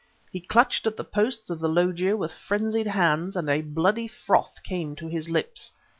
He clutched at the posts of the loggia with frenzied hands and a bloody froth came to his lips.